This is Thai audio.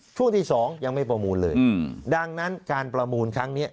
ช่วงที่สองยังไม่ประมูลเลยดังนั้นการประมูลครั้งนี้